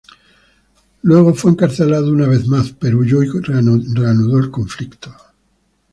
Luego fue encarcelado una vez más, pero huyó y reanudó el conflicto.